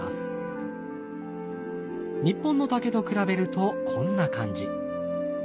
日本の竹と比べるとこんな感じ。